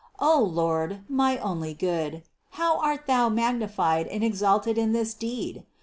O Lord, my only Good, how art Thou magnified and exalted in this deed!